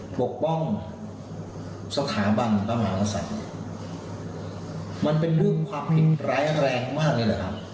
ปกป้องสถาบันพระมหากษัตริย์มันเป็นเรื่องความพินร้ายแรงมากเลยแหละครับ